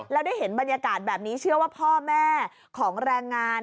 แล้วได้เห็นบรรยากาศแบบนี้เชื่อว่าพ่อแม่ของแรงงาน